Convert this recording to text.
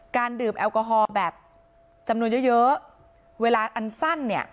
การดื่มแอลกอฮอล์แบบจำนวนเยอะเวลาอันสั้น